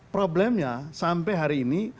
problemnya sampai hari ini